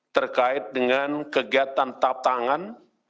terkait dengan kegiatan tap tangan